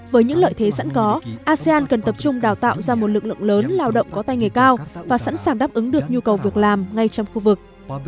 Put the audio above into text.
với những lợi thế sẵn có asean cần tập trung đào tạo ra một lực lượng lớn lao động có tay nghề cao và sẵn sàng đáp ứng được nhu cầu việc làm ngay trong khu vực